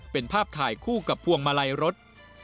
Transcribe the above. เป็นภาพถ่ายคู่กับพวงมาลัยรถ